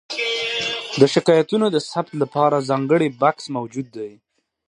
د شکایتونو د ثبت لپاره ځانګړی بکس موجود دی.